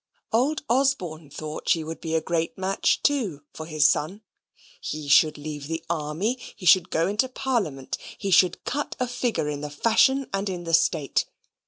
Old Osborne thought she would be a great match, too, for his son. He should leave the army; he should go into Parliament; he should cut a figure in the fashion and in the state.